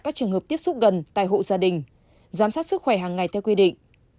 các trường hợp tiếp xúc gần tại hộ gia đình giám sát sức khỏe hàng ngày theo quy định